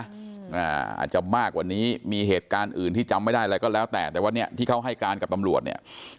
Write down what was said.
อาจจะมากกว่านี้มีเหตุการณ์อื่นที่จำไม่ได้อะไรก็แล้วแต่แต่ว่าเนี่ยที่เขาให้การกับตำรวจเนี่ย